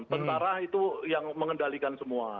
tentara itu yang mengendalikan semua